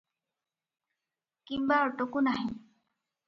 କିମ୍ବା ଅଟକୁ ନାହିଁ ।